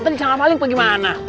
tadi sama paling pergi mana